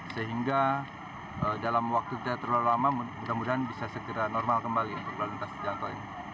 sehingga dalam waktu terlalu lama mudah mudahan bisa segera normal kembali untuk berlantasan jantol ini